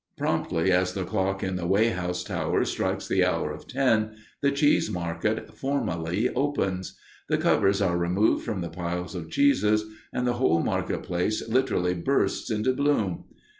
Promptly as the clock in the weigh house tower strikes the hour of ten, the cheese market formally opens. The covers are removed from the piles of cheeses, and the whole market place literally bursts into bloom.